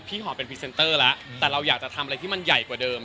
หอมเป็นพรีเซนเตอร์แล้วแต่เราอยากจะทำอะไรที่มันใหญ่กว่าเดิม